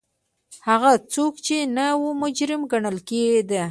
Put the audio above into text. هغه څوک چې نه و مجرم ګڼل کېده.